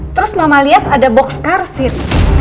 terus mama lihat ada box karsit